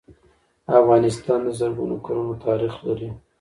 افغانستان د زرګونو کلونو تاریخ لري.